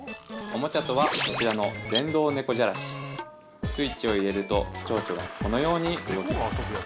おもちゃとはこちらのスイッチを入れるとチョウチョがこのように動きます